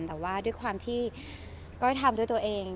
แต่ว่าด้วยความที่ก้อยทำด้วยตัวเอง